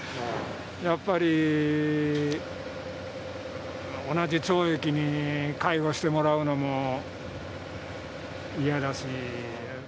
やっぱり同じ懲役に介護してもらうのも嫌だし。